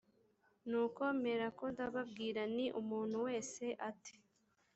nuko mperako ndababwira nti umuntu wese ate